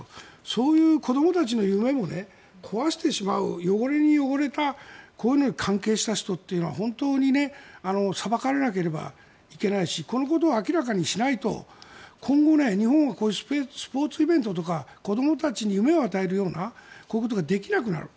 そういう子どもたちの夢も壊してしまう汚れに汚れた、こういうのに関係した人というのは本当に裁かれなければいけないしこのことを明らかにしないと今後、日本がこういうスポーツイベントとか子どもたちに夢を与えるようなこういうことができなくなる。